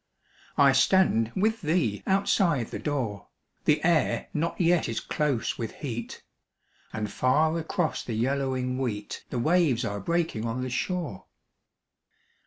I stand with thee outside the door, The air not yet is close with heat, And far across the yellowing wheat The waves are breaking on the shore.